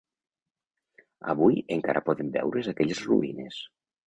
Avui, encara poden veure's aquelles ruïnes.